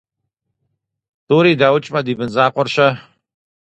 - ТӀури даукӀмэ, ди бын закъуэр - щэ?